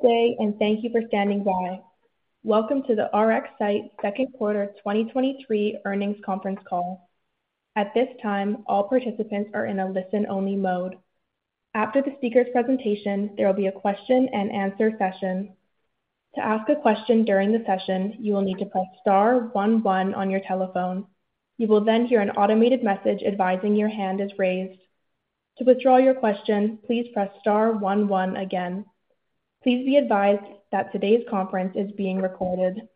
Good day, and thank you for standing by. Welcome to the RxSight Q2 2023 Earnings Conference Call. At this time, all participants are in a listen-only mode. After the speaker's presentation, there will be a question-and-answer session. To ask a question during the session, you will need to press star one one on your telephone. You will then hear an automated message advising your hand is raised. To withdraw your question, please press star one one again. Please be advised that today's conference is being recorded.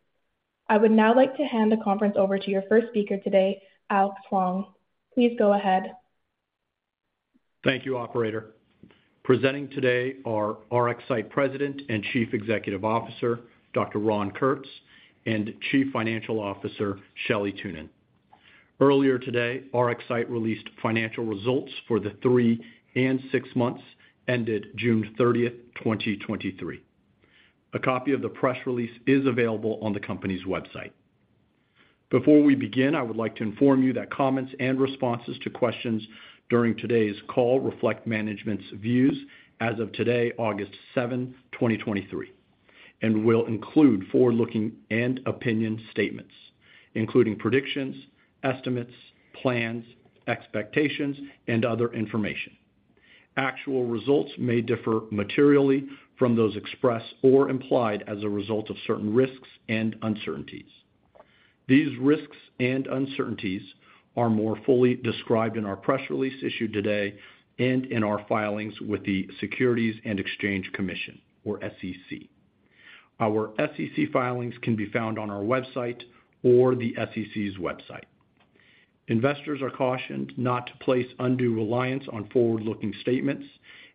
I would now like to hand the conference over to your first speaker today, Alex Huang. Please go ahead. Thank you, operator. Presenting today are RxSight President and Chief Executive Officer, Dr. Ron Kurtz, and Chief Financial Officer, Shelley Thunen. Earlier today, RxSight released financial results for the three and six months ended June 30th, 2023. A copy of the press release is available on the company's website. Before we begin, I would like to inform you that comments and responses to questions during today's call reflect management's views as of today, August 7, 2023, and will include forward-looking and opinion statements, including predictions, estimates, plans, expectations, and other information. Actual results may differ materially from those expressed or implied as a result of certain risks and uncertainties. These risks and uncertainties are more fully described in our press release issued today and in our filings with the Securities and Exchange Commission, or SEC. Our SEC filings can be found on our website or the SEC's website. Investors are cautioned not to place undue reliance on forward-looking statements,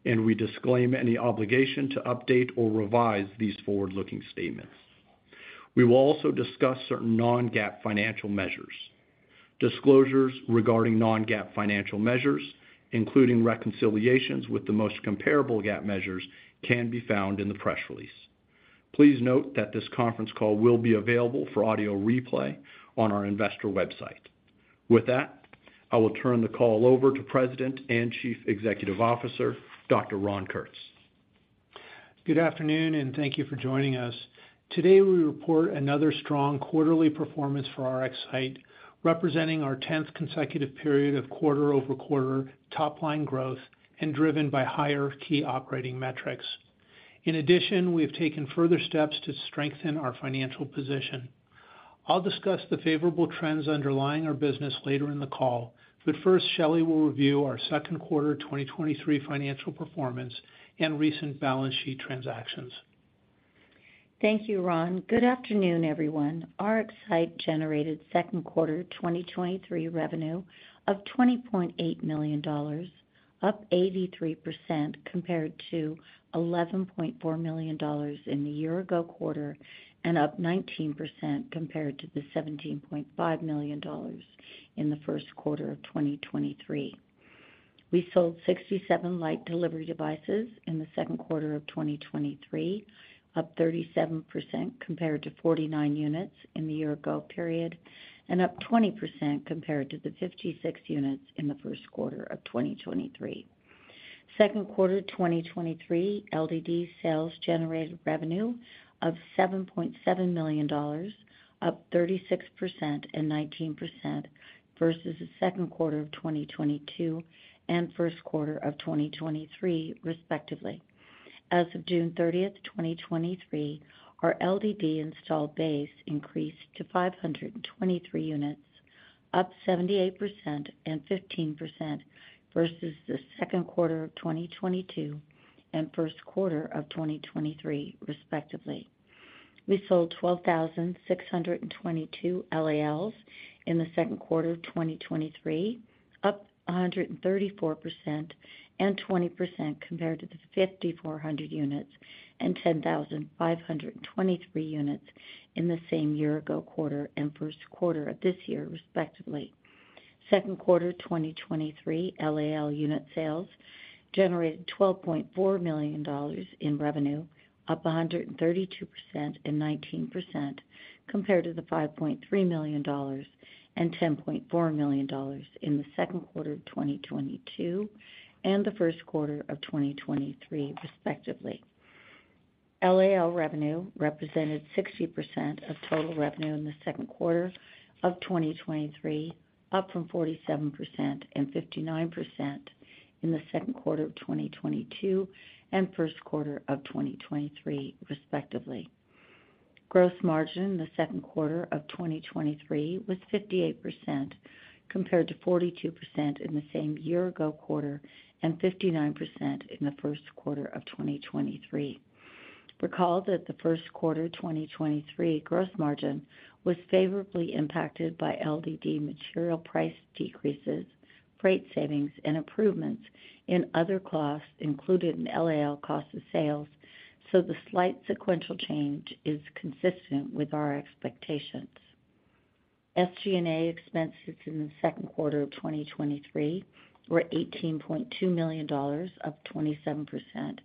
and we disclaim any obligation to update or revise these forward-looking statements. We will also discuss certain non-GAAP financial measures. Disclosures regarding non-GAAP financial measures, including reconciliations with the most comparable GAAP measures, can be found in the press release. Please note that this conference call will be available for audio replay on our investor website. With that, I will turn the call over to President and Chief Executive Officer, Dr. Ron Kurtz. Good afternoon, and thank you for joining us. Today, we report another strong quarterly performance for RxSight, representing our 10th consecutive period of quarter-over-quarter top-line growth and driven by higher key operating metrics. In addition, we have taken further steps to strengthen our financial position. I'll discuss the favorable trends underlying our business later in the call. First, Shelly will review our Q2 2023 financial performance and recent balance sheet transactions. Thank you, Ron. Good afternoon, everyone. RxSight generated Q2 2023 revenue of $20.8 million, up 83% compared to $11.4 million in the year ago quarter and up 19% compared to the $17.5 million in the Q1 of 2023. We sold 67 Light Delivery Devices in the Q2 of 2023, up 37% compared to 49 units in the year ago period, and up 20% compared to the 56 units in the Q1 of 2023. Q2 2023, LDD sales generated revenue of $7.7 million, up 36% and 19% versus the Q2 of 2022 and Q1 of 2023, respectively. As of June 30th, 2023, our LDD installed base increased to 523 units, up 78% and 15% versus the Q2 of 2022 and Q1 of 2023, respectively. We sold 12,622 LALs in the Q2 of 2023, up 134% and 20% compared to the 5,400 units and 10,523 units in the same year-ago quarter and Q1 of this year, respectively. Q2 2023 LAL unit sales generated $12.4 million in revenue, up 132% and 19% compared to the $5.3 million and $10.4 million in the Q2 of 2022 and the Q1 of 2023, respectively. LAL revenue represented 60% of total revenue in the Q2 of 2023, up from 47% and 59% in the Q2 of 2022 and Q1 of 2023, respectively. Gross margin in the Q2 of 2023 was 58%, compared to 42% in the same year ago quarter and 59% in the Q1 of 2023. Recall that the Q1 2023 gross margin was favorably impacted by LDD material price decreases, freight savings, and improvements in other costs included in LAL cost of sales, so the slight sequential change is consistent with our expectations. SG&A expenses in the Q2 of 2023 were $18.2 million, up 27%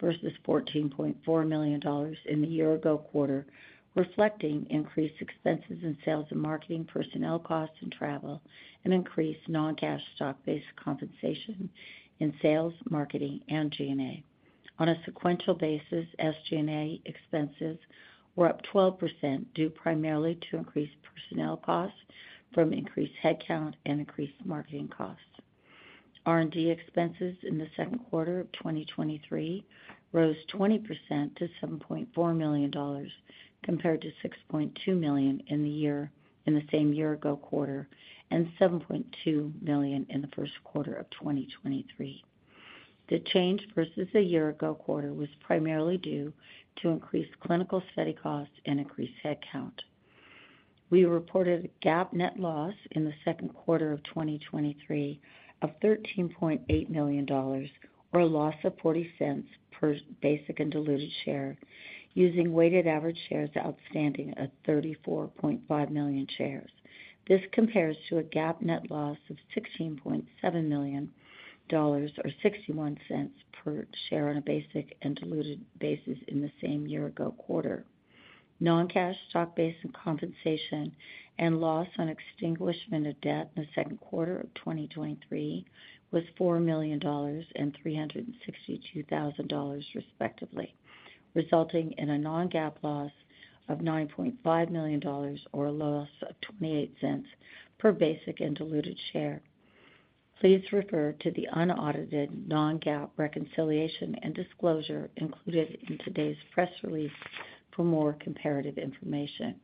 versus $14.4 million in the year ago quarter, reflecting increased expenses in sales and marketing, personnel costs and travel, and increased non-cash stock-based compensation in sales, marketing, and G&A. On a sequential basis, SG&A expenses were up 12%, due primarily to increased personnel costs from increased headcount and increased marketing costs. R&D expenses in the Q2 of 2023 rose 20% to $7.4 million, compared to $6.2 million in the same year ago quarter, and $7.2 million in the Q1 of 2023. The change versus the year ago quarter was primarily due to increased clinical study costs and increased headcount. We reported a GAAP net loss in the Q2 of 2023 of $13.8 million, or a loss of $0.40 per basic and diluted share, using weighted average shares outstanding of 34.5 million shares. This compares to a GAAP net loss of $16.7 million, or $0.61 per share on a basic and diluted basis in the same year ago quarter. Non-cash stock-based compensation and loss on extinguishment of debt in the Q2 of 2023 was $4 million and $362,000, respectively, resulting in a non-GAAP loss of $9.5 million or a loss of $0.28 per basic and diluted share. Please refer to the unaudited non-GAAP reconciliation and disclosure included in today's press release for more comparative information.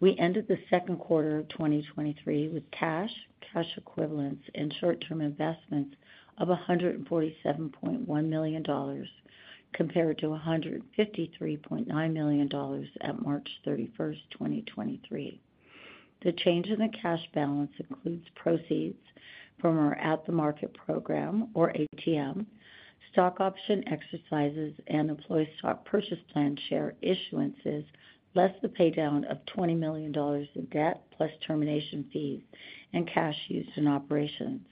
We ended the Q2 of 2023 with cash, cash equivalents and short-term investments of $147.1 million, compared to $153.9 million at March 31st, 2023. The change in the cash balance includes proceeds from our at-the-market program, or ATM, stock option exercises, and Employee Stock Purchase Plan share issuances, less the paydown of $20 million in debt, plus termination fees and cash used in operations.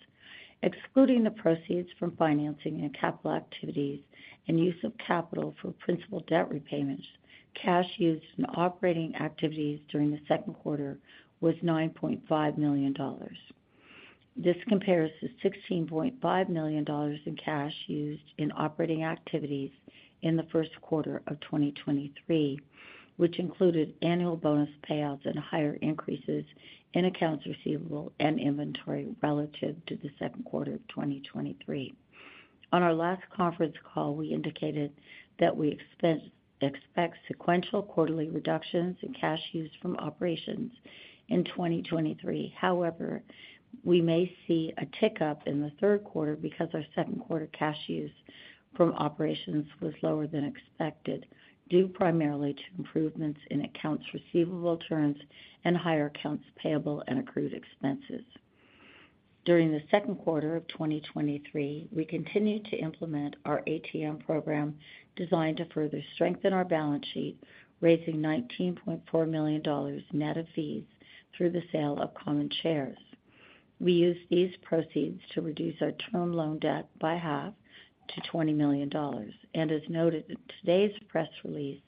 Excluding the proceeds from financing and capital activities and use of capital for principal debt repayments, cash used in operating activities during the Q2 was $9.5 million. This compares to $16.5 million in cash used in operating activities in the Q1 of 2023, which included annual bonus payouts and higher increases in accounts receivable and inventory relative to the Q2 of 2023. On our last conference call, we indicated that we expect sequential quarterly reductions in cash used from operations in 2023. We may see a tick-up in the Q3 because our Q2 cash use from operations was lower than expected, due primarily to improvements in accounts receivable turns and higher accounts payable and accrued expenses. During the Q2 of 2023, we continued to implement our ATM program, designed to further strengthen our balance sheet, raising $19.4 million net of fees through the sale of common shares. We used these proceeds to reduce our term loan debt by half to $20 million. As noted in today's press release,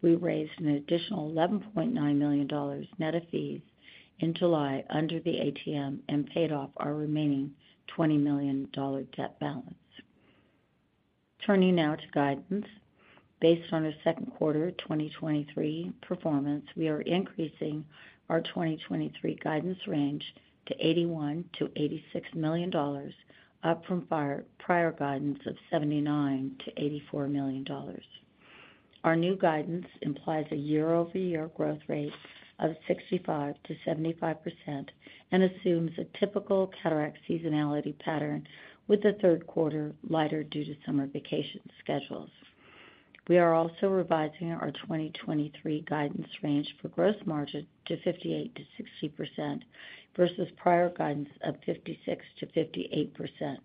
we raised an additional $11.9 million net of fees in July under the ATM and paid off our remaining $20 million debt balance. Turning now to guidance. Based on the Q2 of 2023 performance, we are increasing our 2023 guidance range to $81 million-$86 million, up from our prior guidance of $79 million-$84 million. Our new guidance implies a year-over-year growth rate of 65%-75% and assumes a typical cataract seasonality pattern, with the Q3 lighter due to summer vacation schedules. We are also revising our 2023 guidance range for gross margin to 58%-60% versus prior guidance of 56%-58%.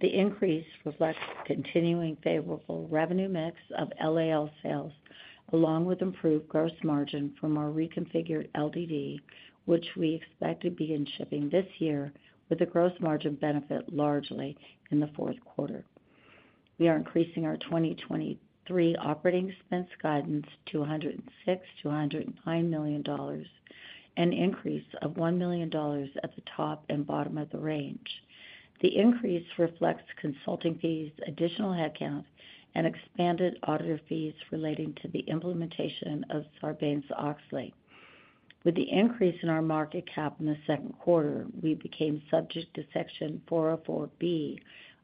The increase reflects continuing favorable revenue mix of LAL sales, along with improved gross margin from our reconfigured LDD, which we expect to begin shipping this year with a gross margin benefit largely in the Q4. We are increasing our 2023 operating expense guidance to $106 million-$109 million, an increase of $1 million at the top and bottom of the range. The increase reflects consulting fees, additional headcount, and expanded auditor fees relating to the implementation of Sarbanes-Oxley. With the increase in our market cap in the Q2, we became subject to Section 404(b)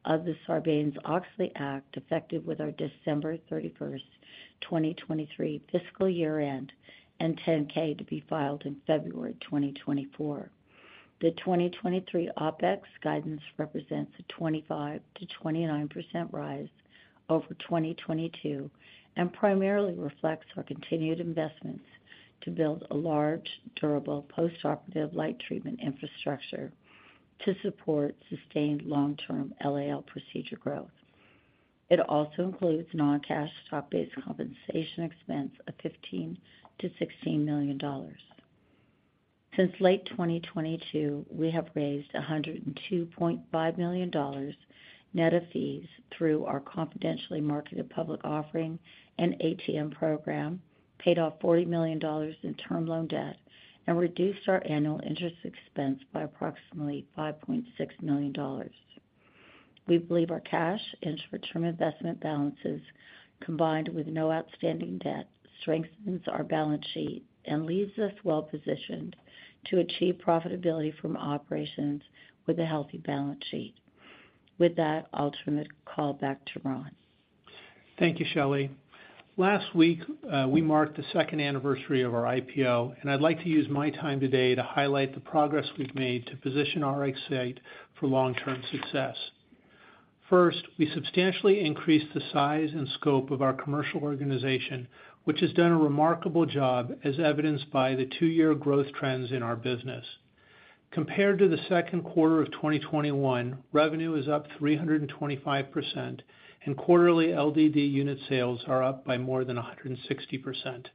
of the Sarbanes-Oxley Act, effective with our December 31, 2023 fiscal year-end and 10-K to be filed in February 2024. The 2023 OpEx guidance represents a 25%-29% rise over 2022 and primarily reflects our continued investments to build a large, durable, postoperative light treatment infrastructure to support sustained long-term LAL procedure growth. It also includes non-cash stock-based compensation expense of $15 million-$16 million. Since late 2022, we have raised $102.5 million net of fees through our confidentially marketed public offering and ATM program, paid off $40 million in term loan debt and reduced our annual interest expense by approximately $5.6 million. We believe our cash and short-term investment balances, combined with no outstanding debt, strengthens our balance sheet and leaves us well-positioned to achieve profitability from operations with a healthy balance sheet. With that, I'll turn the call back to Ron. Thank you, Shelly. Last week, we marked the 2nd anniversary of our IPO, and I'd like to use my time today to highlight the progress we've made to position RxSight for long-term success. First, we substantially increased the size and scope of our commercial organization, which has done a remarkable job, as evidenced by the 2-year growth trends in our business. Compared to the 2Q 2021, revenue is up 325%, and quarterly LDD unit sales are up by more than 160%.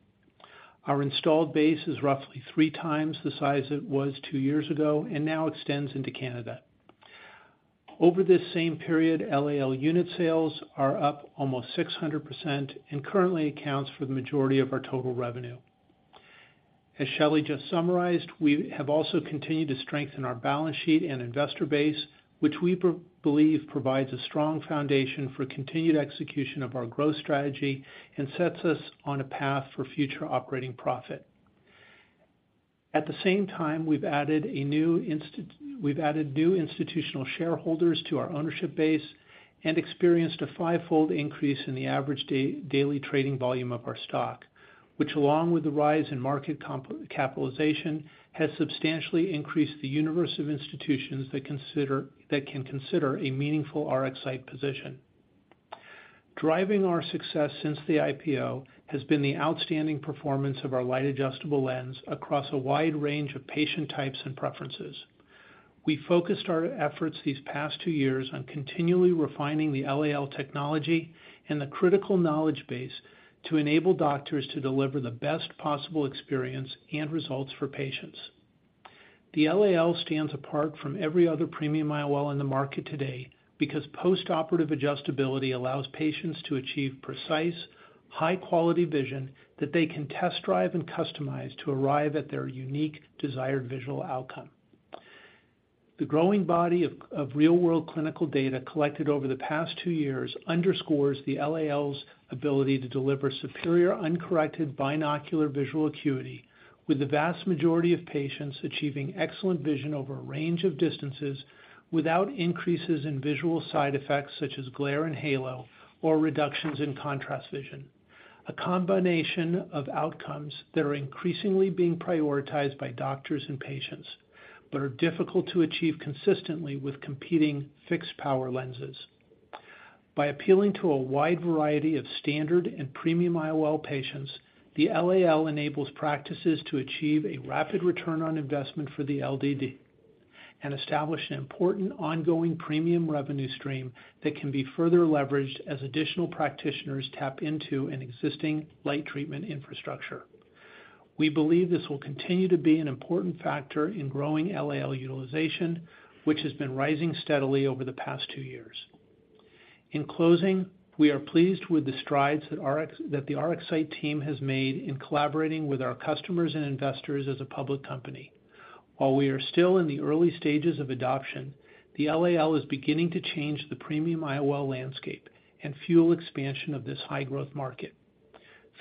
Our installed base is roughly 3 times the size it was 2 years ago and now extends into Canada. Over this same period, LAL unit sales are up almost 600% and currently accounts for the majority of our total revenue. As Shelley just summarized, we have also continued to strengthen our balance sheet and investor base, which we believe provides a strong foundation for continued execution of our growth strategy and sets us on a path for future operating profit. At the same time, we've added new institutional shareholders to our ownership base and experienced a fivefold increase in the average daily trading volume of our stock, which, along with the rise in market capitalization, has substantially increased the universe of institutions that can consider a meaningful RxSight position. Driving our success since the IPO has been the outstanding performance of our Light Adjustable Lens across a wide range of patient types and preferences. We focused our efforts these past 2 years on continually refining the LAL technology and the critical knowledge base to enable doctors to deliver the best possible experience and results for patients. The LAL stands apart from every other premium IOL in the market today because postoperative adjustability allows patients to achieve precise, high-quality vision that they can test, drive, and customize to arrive at their unique desired visual outcome. The growing body of real-world clinical data collected over the past 2 years underscores the LAL's ability to deliver superior, uncorrected, binocular visual acuity, with the vast majority of patients achieving excellent vision over a range of distances, without increases in visual side effects such as glare and halos or reductions in contrast sensitivity. A combination of outcomes that are increasingly being prioritized by doctors and patients, but are difficult to achieve consistently with competing fixed-power lenses. By appealing to a wide variety of standard and premium IOL patients, the LAL enables practices to achieve a rapid return on investment for the LDD and establish an important ongoing premium revenue stream that can be further leveraged as additional practitioners tap into an existing light treatment infrastructure. We believe this will continue to be an important factor in growing LAL utilization, which has been rising steadily over the past two years. In closing, we are pleased with the strides that the RxSight team has made in collaborating with our customers and investors as a public company. While we are still in the early stages of adoption, the LAL is beginning to change the premium IOL landscape and fuel expansion of this high-growth market.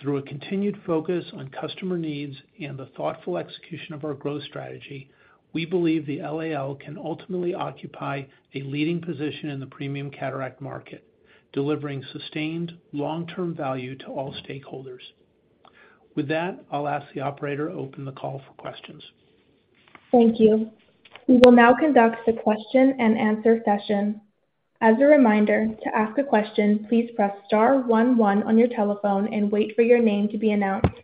Through a continued focus on customer needs and the thoughtful execution of our growth strategy, we believe the LAL can ultimately occupy a leading position in the premium cataract market, delivering sustained long-term value to all stakeholders. With that, I'll ask the operator to open the call for questions. Thank you. We will now conduct the question-and-answer session. As a reminder, to ask a question, please press star 1 1 on your telephone and wait for your name to be announced.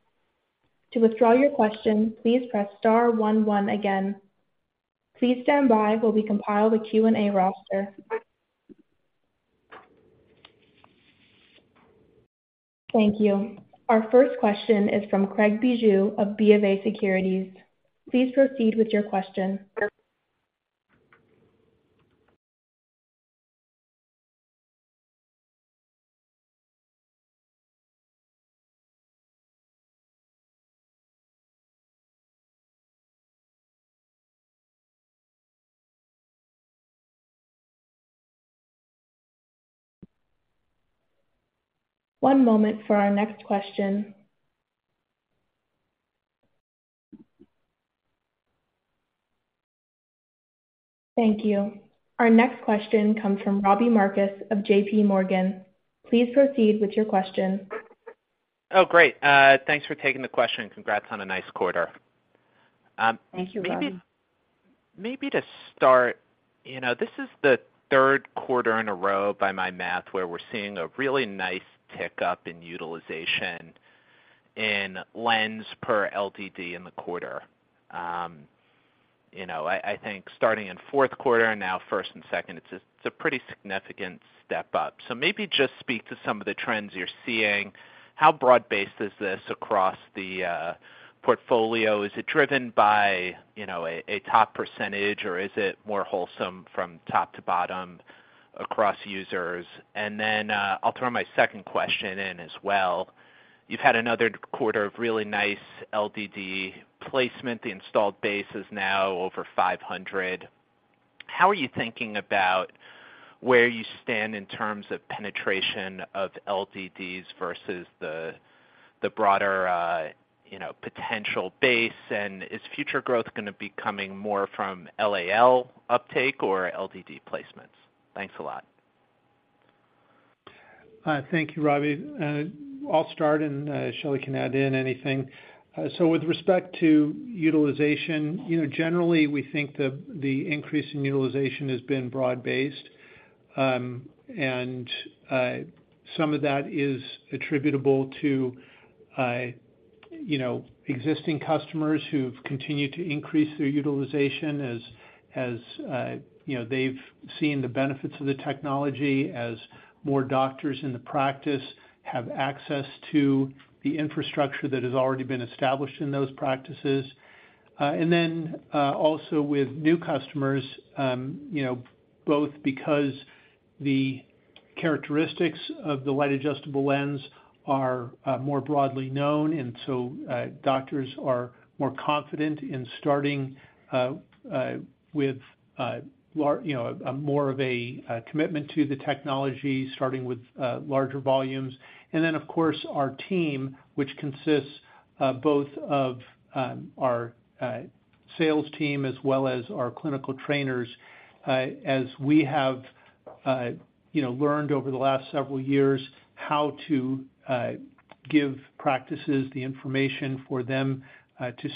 To withdraw your question, please press star 1 1 again. Please stand by while we compile the Q&A roster. Thank you. Our first question is from Craig Bijou of BofA Securities. Please proceed with your question. One moment for our next question. Thank you. Our next question comes from Robbie Marcus of J.P. Morgan. Please proceed with your question. Oh, great. Thanks for taking the question, and congrats on a nice quarter. Thank you, Robbie. Maybe to start, you know, this is the Q3 in a row, by my math, where we're seeing a really nice tick-up in utilization in lens per LDD in the quarter. You know, I, I think starting in Q4 and now first and second, it's a, it's a pretty significant step up. Maybe just speak to some of the trends you're seeing. How broad-based is this across the portfolio? Is it driven by, you know, a, a top percentage, or is it more wholesome from top to bottom across users? I'll throw my second question in as well. You've had another quarter of really nice LDD placement. The installed base is now over 500. How are you thinking about where you stand in terms of penetration of LDDs versus the broader, you know, potential base? Is future growth gonna be coming more from LAL uptake or LDD placements? Thanks a lot. Thank you, Robbie. I'll start, and Shelly can add in anything. With respect to utilization, you know, generally, we think the, the increase in utilization has been broad-based. Some of that is attributable to, you know, existing customers who've continued to increase their utilization as, as, you know, they've seen the benefits of the technology as more doctors in the practice have access to the infrastructure that has already been established in those practices. Also with new customers, you know, both because the characteristics of the Light Adjustable Lens are more broadly known, doctors are more confident in starting with, you know, a more of a commitment to the technology, starting with larger volumes. Then, of course, our team, which consists, both of, our sales team as well as our clinical trainers, as we have, you know, learned over the last several years how to give practices the information for them to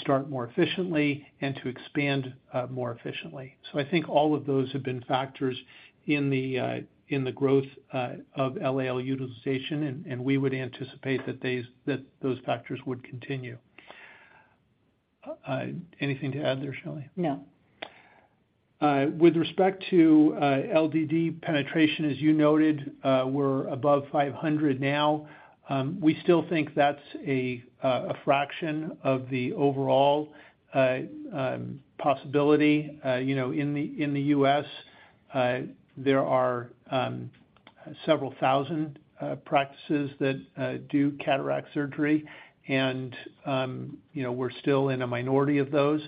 start more efficiently and to expand more efficiently. I think all of those have been factors in the in the growth of LAL utilization, and we would anticipate that those factors would continue. Anything to add there, Shelley? No. With respect to LDD penetration, as you noted, we're above 500 now. We still think that's a fraction of the overall possibility. You know, in the U.S., there are several thousand practices that do cataract surgery, and, you know, we're still in a minority of those.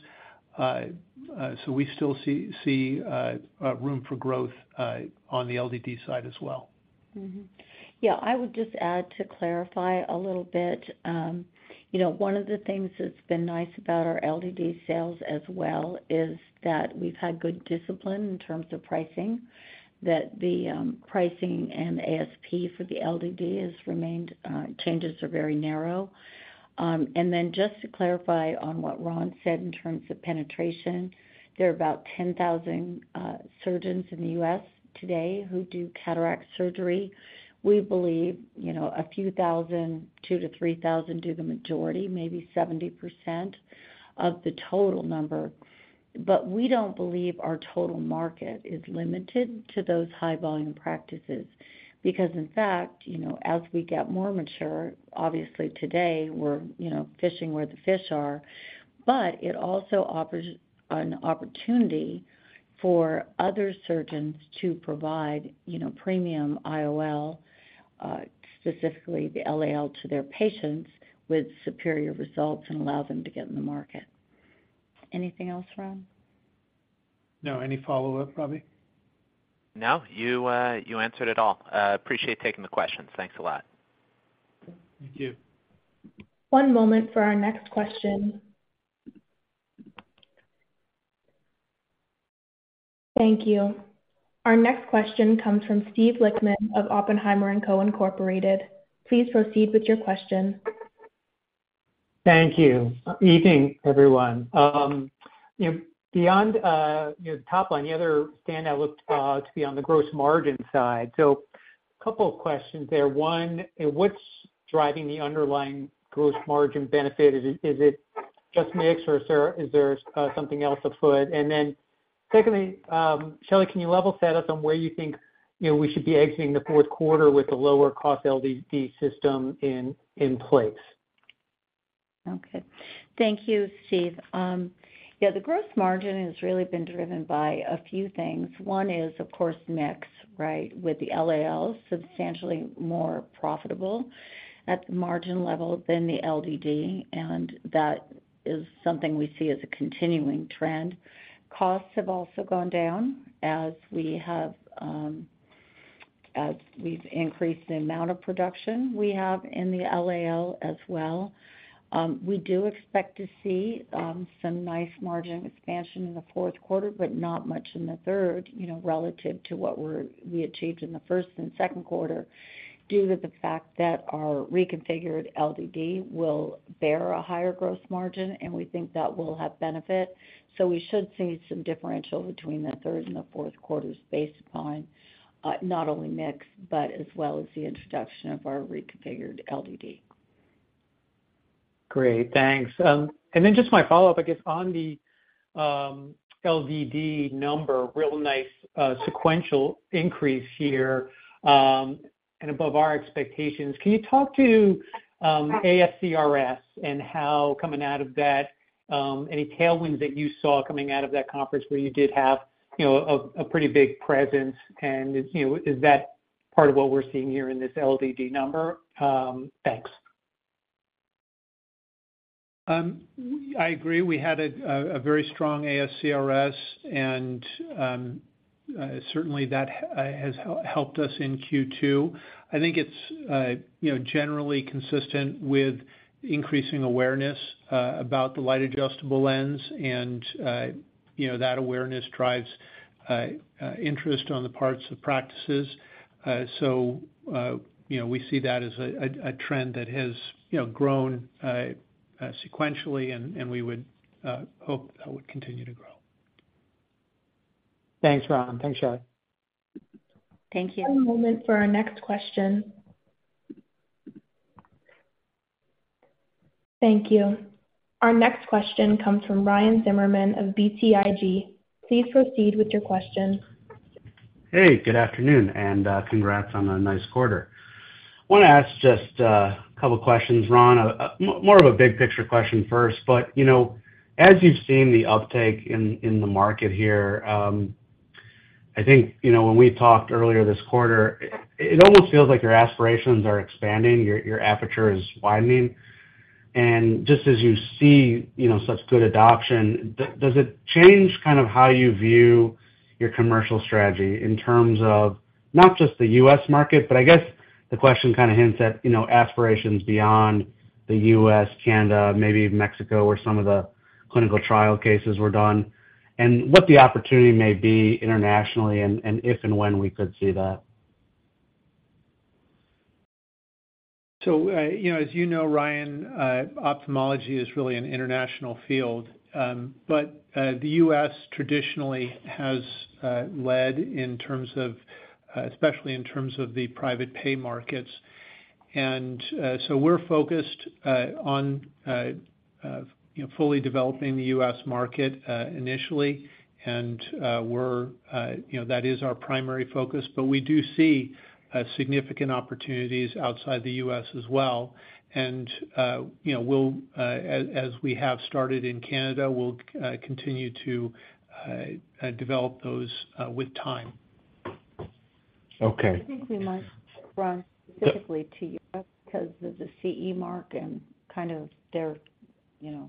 So we still see room for growth on the LDD side as well. Mm-hmm. Yeah, I would just add to clarify a little bit. You know, one of the things that's been nice about our LDD sales as well, is that we've had good discipline in terms of pricing, that the pricing and ASP for the LDD has remained, changes are very narrow. And then just to clarify on what Ron said in terms of penetration, there are about 10,000 surgeons in the US today who do cataract surgery. We believe, you know, a few thousand, 2,000-3,000 do the majority, maybe 70% of the total number. We don't believe our total market is limited to those high-volume practices. In fact, you know, as we get more mature, obviously today we're, you know, fishing where the fish are. It also offers an opportunity for other surgeons to provide, you know, premium IOL, specifically the LAL, to their patients with superior results and allow them to get in the market. Anything else, Ron? No. Any follow-up, Robbie? No, you, you answered it all. Appreciate taking the questions. Thanks a lot. Thank you. One moment for our next question. Thank you. Our next question comes from Steve Lichtman of Oppenheimer and Co., Inc. Please proceed with your question. Thank you. Evening, everyone. you know, beyond, you know, top line, the other standout looked to be on the gross margin side. Couple of questions there. One, what's driving the underlying gross margin benefit? Is it, is it just mix, or is there, is there, something else afoot? Secondly, Shelley, can you level set us on where you think, you know, we should be exiting the Q4 with the lower cost LDD system in, in place? Okay. Thank you, Steve. Yeah, the gross margin has really been driven by a few things. One is, of course, mix, right? With the LALs substantially more profitable at the margin level than the LDD, that is something we see as a continuing trend. Costs have also gone down as we have, as we've increased the amount of production we have in the LAL as well. We do expect to see some nice margin expansion in the Q4, but not much in the third, you know, relative to what we achieved in the first and Q2, due to the fact that our reconfigured LDD will bear a higher gross margin, we think that will have benefit. We should see some differential between the third and the Q4s based upon, not only mix, but as well as the introduction of our reconfigured LDD. Great, thanks. Then just my follow-up, I guess, on the LDD number, real nice sequential increase here, and above our expectations. Can you talk to ASCRS and how coming out of that, any tailwinds that you saw coming out of that conference where you did have, you know, a, a pretty big presence, and, you know, is that part of what we're seeing here in this LDD number? Thanks. I agree. We had a very strong ASCRS. Certainly that has helped us in Q2. I think it's, you know, generally consistent with increasing awareness about the Light Adjustable Lens. You know, that awareness drives interest on the parts of practices. You know, we see that as a trend that has, you know, grown sequentially, and we would hope that would continue to grow. Thanks, Ron. Thanks, Shelley. Thank you. One moment for our next question. Thank you. Our next question comes from Ryan Zimmerman of BTIG. Please proceed with your question. Hey, good afternoon, and congrats on a nice quarter. Wanna ask just a couple questions, Ron. More of a big picture question first, but, you know, as you've seen the uptake in, in the market here, I think, you know, when we talked earlier this quarter, it, it almost feels like your aspirations are expanding, your, your aperture is widening. Just as you see, you know, such good adoption, does it change kind of how you view your commercial strategy in terms of not just the US market, but I guess the question kind of hints at, you know, aspirations beyond the US, Canada, maybe Mexico, where some of the clinical trial cases were done, and what the opportunity may be internationally and if and when we could see that? You know, as you know, Ryan, ophthalmology is really an international field. The US traditionally has, led in terms of, especially in terms of the private pay markets. So we're focused, on, you know, fully developing the US market, initially. We're, you know, that is our primary focus, but we do see, significant opportunities outside the US as well. You know, we'll, as, as we have started in Canada, we'll, continue to, develop those, with time. Okay. I think we might, Ron, specifically to US, 'cause of the CE mark and kind of their, you know,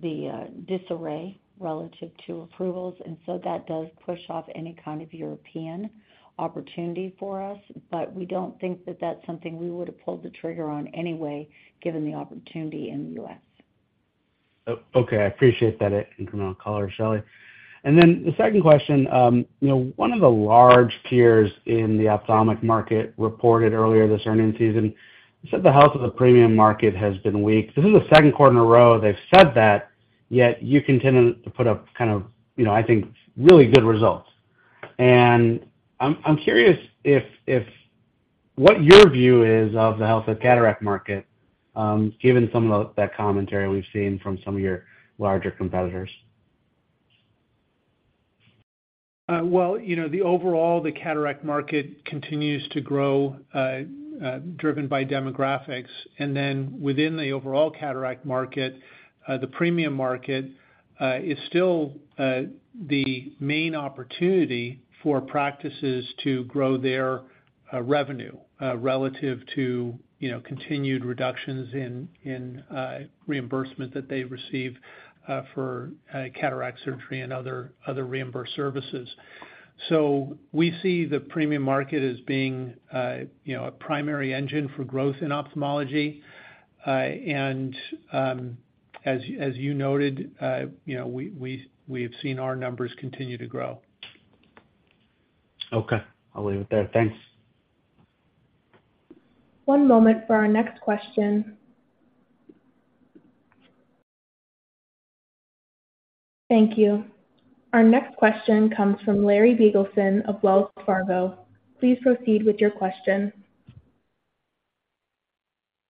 the disarray relative to approvals, and so that does push off any kind of European opportunity for us, but we don't think that that's something we would have pulled the trigger on anyway, given the opportunity in the US. Oh, okay. I appreciate that incremental color, Shelley. Then the second question, you know, one of the large tiers in the ophthalmic market reported earlier this earnings season, they said the health of the premium market has been weak. This is the Q2 in a row they've said that, yet you continue to put up kind of, you know, I think, really good results. I'm, I'm curious if what your view is of the health of cataract market, given some of the, that commentary we've seen from some of your larger competitors? Well, you know, the overall, the cataract market continues to grow, driven by demographics. Within the overall cataract market, the premium market is still the main opportunity for practices to grow their revenue relative to, you know, continued reductions in reimbursement that they receive for cataract surgery and other, other reimbursed services. We see the premium market as being, you know, a primary engine for growth in ophthalmology. As, as you noted, you know, we, we, we have seen our numbers continue to grow. Okay. I'll leave it there. Thanks. One moment for our next question. Thank you. Our next question comes from Larry Biegelsen of Wells Fargo. Please proceed with your question.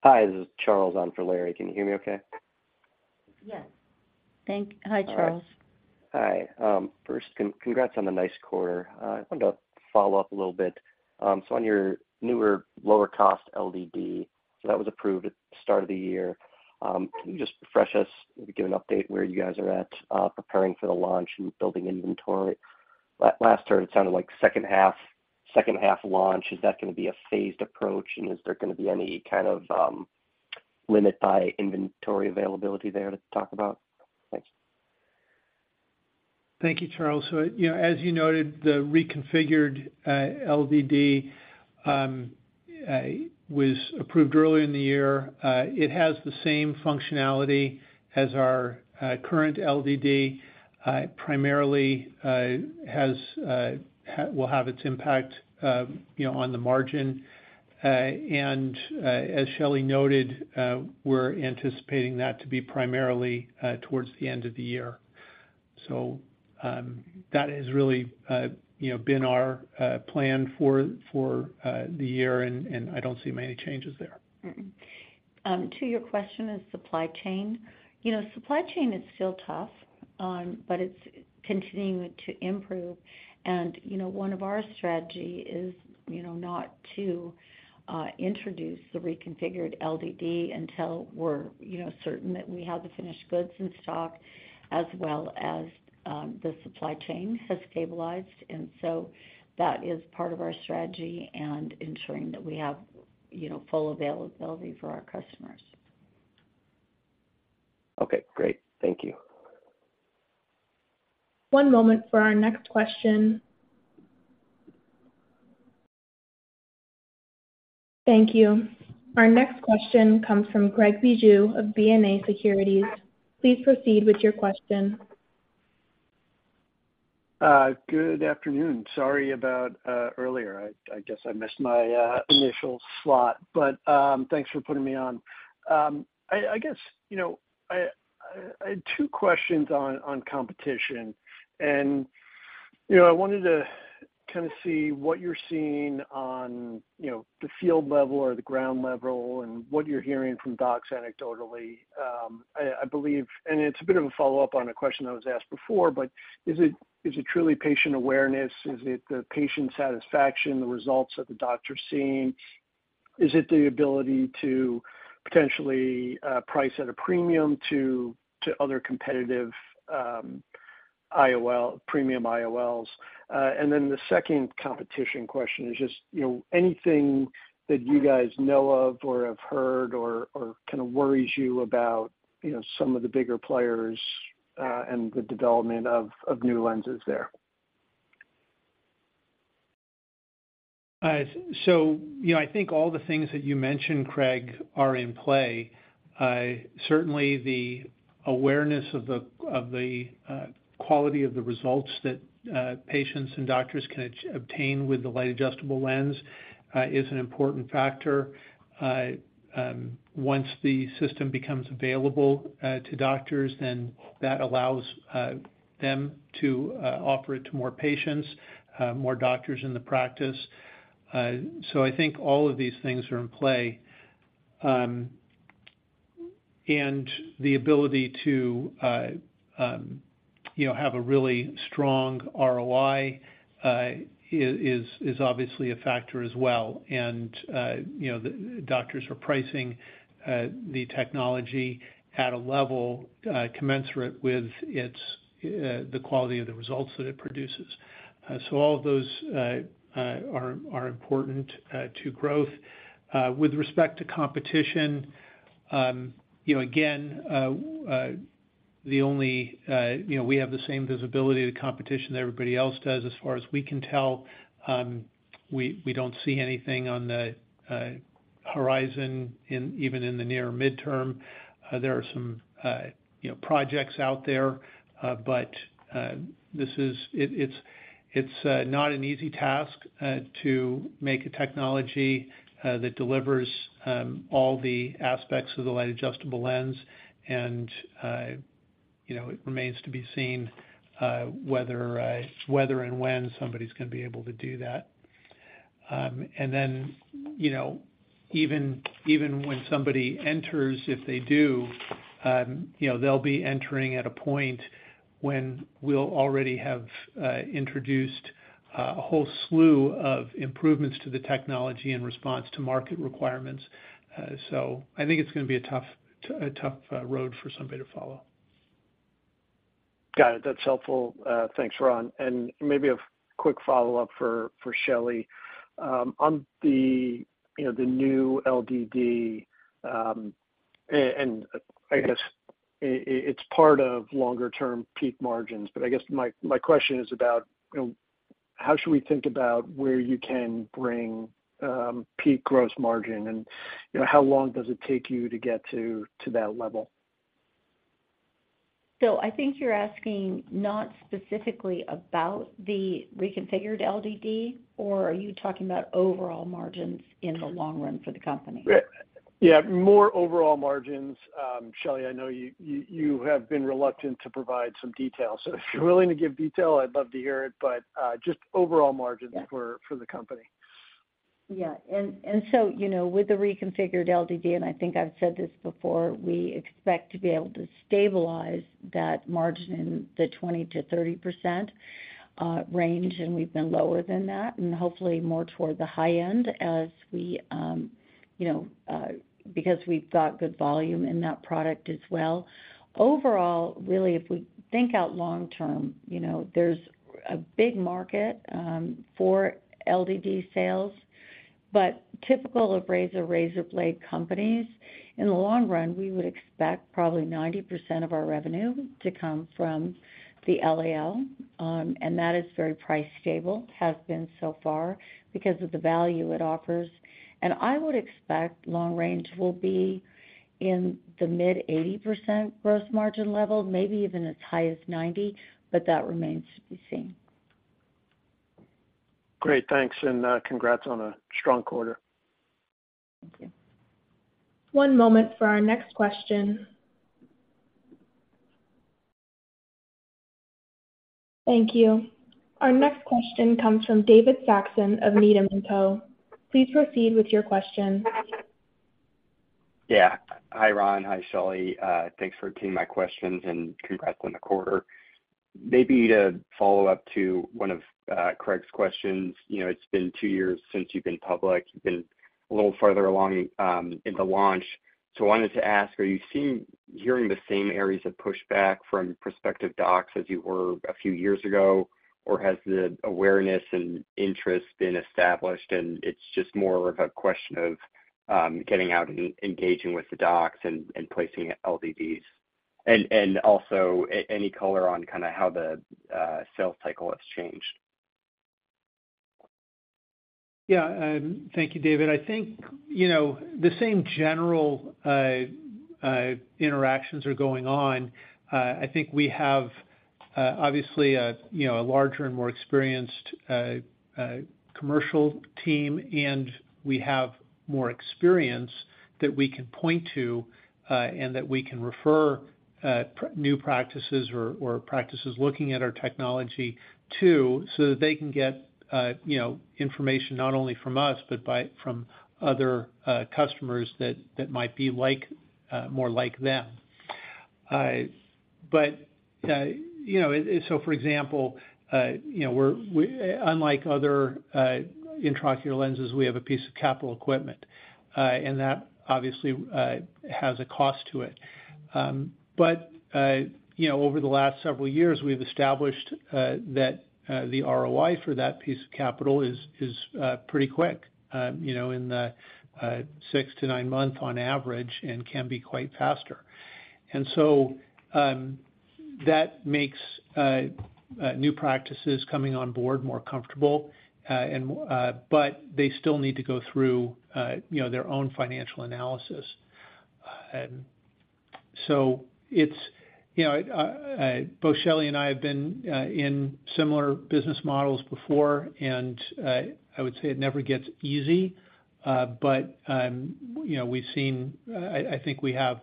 Hi, this is Charles on for Larry. Can you hear me okay? Yes. Hi, Charles. Hi. First, congrats on the nice quarter. I wanted to follow up a little bit. On your newer, lower cost LDD, so that was approved at the start of the year. Can you just refresh us, maybe give an update where you guys are at, preparing for the launch and building inventory? Last term, it sounded like second half, second half launch. Is that gonna be a phased approach, and is there gonna be any kind of limit by inventory availability there to talk about? Thanks. Thank you, Charles. You know, as you noted, the reconfigured LDD was approved earlier in the year. It has the same functionality as our current LDD, primarily will have its impact, you know, on the margin. As Shelley noted, we're anticipating that to be primarily towards the end of the year. That has really, you know, been our plan for the year, and I don't see many changes there. To your question on supply chain, you know, supply chain is still tough, but it's continuing to improve. You know, one of our strategy is, you know, not to introduce the reconfigured LDD until we're, you know, certain that we have the finished goods in stock, as well as the supply chain has stabilized. So that is part of our strategy and ensuring that we have, you know, full availability for our customers. Okay, great. Thank you. One moment for our next question. Thank you. Our next question comes from Craig Bijou of BofA Securities. Please proceed with your question. Good afternoon. Sorry about earlier. I, I guess I missed my initial slot, but thanks for putting me on. I, I guess, you know, I, I had two questions on, on competition, and, you know, I wanted to kind of see what you're seeing on, you know, the field level or the ground level and what you're hearing from docs anecdotally. I, I believe, and it's a bit of a follow-up on a question that was asked before, but is it, is it truly patient awareness? Is it the patient satisfaction, the results that the doctor's seeing? Is it the ability to potentially price at a premium to, to other competitive IOL, premium IOLs? Then the second competition question is just, you know, anything that you guys know of or have heard or kind of worries you about, you know, some of the bigger players and the development of new lenses there? You know, I think all the things that you mentioned, Craig, are in play. Certainly the awareness of the quality of the results that patients and doctors can obtain with the Light Adjustable Lens is an important factor. Once the system becomes available to doctors, then that allows them to offer it to more patients, more doctors in the practice. I think all of these things are in play. The ability to, you know, have a really strong ROI is obviously a factor as well. You know, the doctors are pricing the technology at a level commensurate with its the quality of the results that it produces. All of those are important to growth. With respect to competition, you know, again, the only, you know, we have the same visibility to competition that everybody else does. As far as we can tell, we, we don't see anything on the horizon in, even in the near midterm. There are some, you know, projects out there, but, this is, it, it's, it's not an easy task, to make a technology, that delivers, all the aspects of the Light Adjustable Lens. You know, it remains to be seen, whether, whether and when somebody's gonna be able to do that. Then, you know, even, even when somebody enters, if they do, you know, they'll be entering at a point when we'll already have introduced a whole slew of improvements to the technology in response to market requirements. I think it's gonna be a tough, a tough road for somebody to follow. Got it. That's helpful. Thanks, Ron. Maybe a quick follow-up for Shelley. On the, you know, the new LDD, and I guess, it's part of longer term peak margins, but I guess my question is about, you know, how should we think about where you can bring peak gross margin and, you know, how long does it take you to get to that level? I think you're asking not specifically about the reconfigured LDD, or are you talking about overall margins in the long run for the company? Yeah, more overall margins. Shelley, I know you, you, you have been reluctant to provide some detail, so if you're willing to give detail, I'd love to hear it, but, just overall margins- Yeah. for the company. Yeah. You know, with the reconfigured LDD, and I think I've said this before, we expect to be able to stabilize that margin in the 20%-30% range, and we've been lower than that, and hopefully more toward the high end as we, you know, because we've got good volume in that product as well. Overall, really, if we think out long term, you know, there's a big market for LDD sales, but typical of razor, razor blade companies, in the long run, we would expect probably 90% of our revenue to come from the LAL, and that is very price stable, has been so far because of the value it offers. I would expect long range will be in the mid 80% gross margin level, maybe even as high as 90%, but that remains to be seen. Great, thanks, congrats on a strong quarter. Thank you. One moment for our next question. Thank you. Our next question comes from David Saxon of Needham & Co. Please proceed with your question. Yeah. Hi, Ron. Hi, Shelley. Thanks for taking my questions, and congrats on the quarter. Maybe to follow up to one of Craig's questions, you know, it's been 2 years since you've been public. You've been a little farther along in the launch. I wanted to ask, are you seeing, hearing the same areas of pushback from prospective docs as you were a few years ago? Has the awareness and interest been established, and it's just more of a question of getting out and engaging with the docs and, and placing LDDs? And, and also, any color on kind of how the sales cycle has changed? Yeah, thank you, David. I think, you know, the same general interactions are going on. I think we have, obviously, a, you know, a larger and more experienced commercial team, and we have more experience that we can point to, and that we can refer new practices or practices looking at our technology to, so that they can get, you know, information not only from us, but by, from other customers that, that might be like, more like them. You know, it, so for example, you know, unlike other intraocular lenses, we have a piece of capital equipment, and that obviously, has a cost to it. You know, over the last several years, we've established that the ROI for that piece of capital is, is pretty quick, you know, in the six to nine month on average, and can be quite faster. That makes new practices coming on board more comfortable, and, but they still need to go through, you know, their own financial analysis. It's, you know, both Shelley and I have been in similar business models before, and I would say it never gets easy, but, you know, we've seen, I, I think we have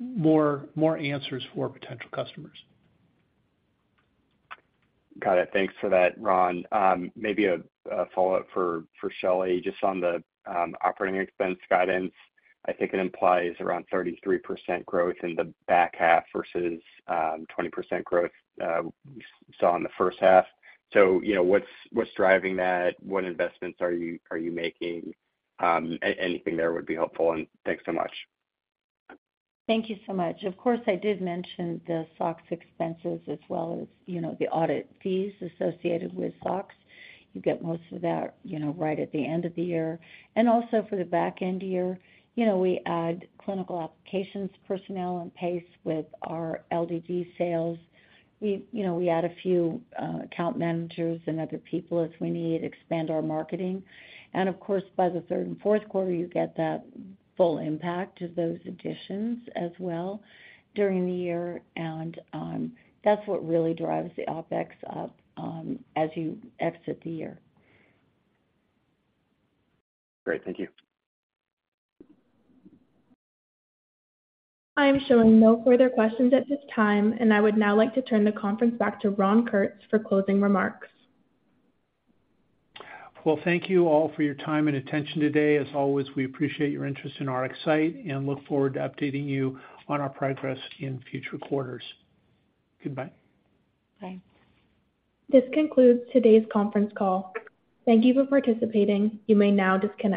more, more answers for potential customers. Got it. Thanks for that, Ron. Maybe a, a follow-up for, for Shelley, just on the operating expense guidance. I think it implies around 33% growth in the back half versus 20% growth we saw in the first half. You know, what's, what's driving that? What investments are you, are you making? Anything there would be helpful, and thanks so much. Thank you so much. Of course, I did mention the SOX expenses as well as, you know, the audit fees associated with SOX. You get most of that, you know, right at the end of the year. Also, for the back end year, you know, we add clinical applications, personnel, and pace with our LDD sales. We, you know, we add a few account managers and other people as we need, expand our marketing. Of course, by the third and Q4, you get that full impact of those additions as well during the year. That's what really drives the OpEx up as you exit the year. Great. Thank you. I am showing no further questions at this time, and I would now like to turn the conference back to Ron Kurtz for closing remarks. Well, thank you all for your time and attention today. As always, we appreciate your interest in RxSight, and look forward to updating you on our progress in future quarters. Goodbye. Bye. This concludes today's conference call. Thank you for participating. You may now disconnect.